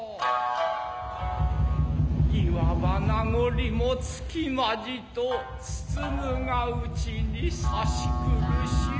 言わば名残もつきまじと包むがうちにさしくる汐